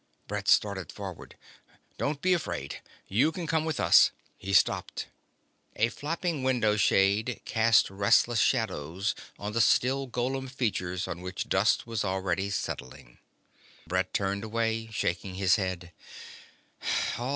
Brett started forward. "Don't be afraid. You can come with us " He stopped. A flapping window shade cast restless shadows on the still golem features on which dust was already settling. Brett turned away, shaking his head.